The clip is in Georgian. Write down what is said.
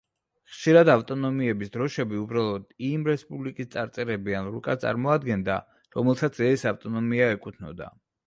ხშირად ავტონომიების დროშები უბრალოდ იმ რესპუბლიკის წარწერებიან რუკას წარმოადგენდა, რომელსაც ეს ავტონომია ეკუთვნოდა.